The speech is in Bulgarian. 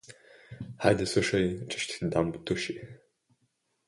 Хайде слушай, че ще ти дам ботуши.